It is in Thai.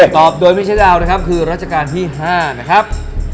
ตอบโดยไม่ใช่ดาวนะครับคือรัชกาลที่๕นะครับ